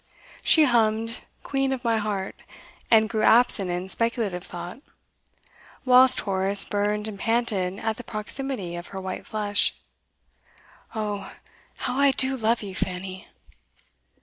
She hummed 'Queen of my Heart,' and grew absent in speculative thought, whilst Horace burned and panted at the proximity of her white flesh. 'Oh, how I do love you, Fanny!